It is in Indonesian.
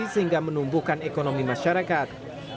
sehingga menumbuhkan ekonomi masyarakat